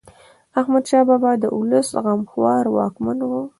احمد شاه بابا د ولس غمخوار واکمن و.